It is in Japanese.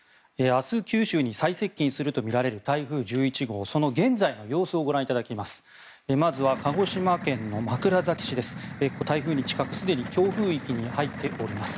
明日、九州に最接近するとみられる台風１１号その現在の様子をご覧いただきます。